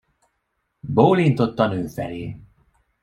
Bólintott a nő felé.